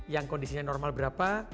yang kondisinya normal berapa